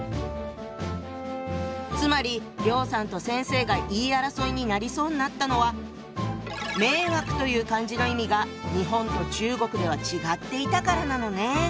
つまり梁さんと先生が言い争いになりそうになったのは「迷惑」という漢字の意味が日本と中国では違っていたからなのね。